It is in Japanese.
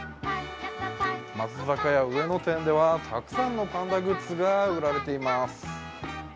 松坂屋上野店ではたくさんのパンダグッズが売られています。